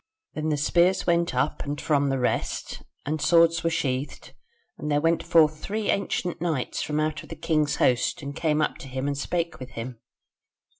"Then the spears went up and from the rest, and swords were sheathed, and there went forth three ancient knights from out of the king's host and came up to him and spake with him.